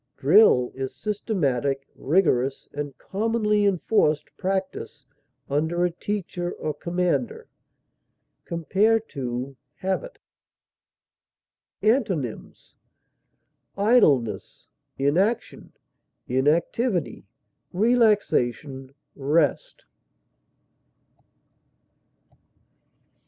Drill is systematic, rigorous, and commonly enforced practise under a teacher or commander. Compare HABIT. Antonyms: idleness, inaction, inactivity, relaxation, rest.